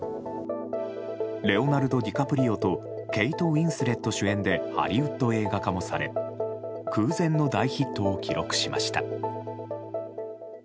レオナルド・ディカプリオとケイト・ウィンスレット主演でハリウッド映画化もされ空前の大ヒットを記録しました。